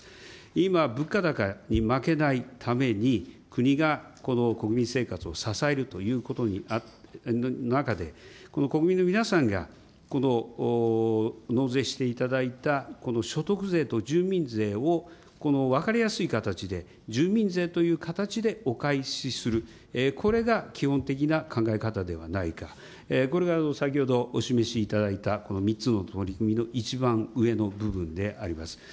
今、物価高に負けないために、国が国民生活を支えるということの中で、この国民の皆さんが、この納税していただいた所得税と住民税を、分かりやすい形で、住民税という形でお返しする、これが基本的な考え方ではないか、これが先ほどお示しいただいた３つの取り組みの一番上の部分であります。